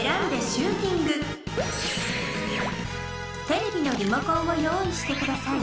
テレビのリモコンをよういしてください。